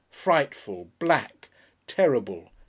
Frightful! Black! Terrible!